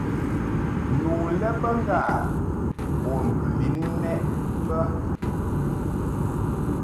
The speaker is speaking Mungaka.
Nu lɛ bə ŋgâ bun kɨ lin mɛʼ bə.